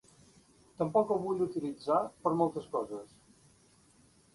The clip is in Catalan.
Tampoc el vull utilitzar per moltes coses.